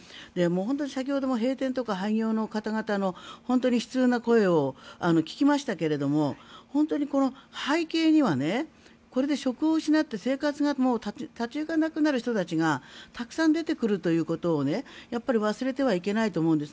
先ほども閉店とか廃業の方々の悲痛な声を聞きましたが背景にはこれで職を失って生活が立ち行かなくなる人たちがたくさん出てくるということをやっぱり忘れてはいけないと思うんです。